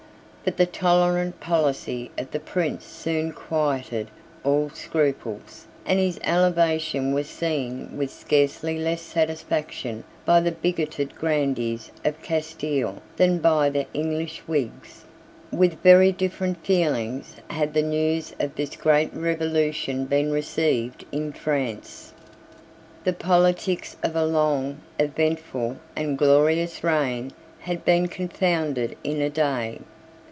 But the tolerant policy of the Prince soon quieted all scruples, and his elevation was seen with scarcely less satisfaction by the bigoted Grandees of Castile than by the English Whigs. With very different feelings had the news of this great revolution been received in France. The politics of a long, eventful, and glorious reign had been confounded in a day.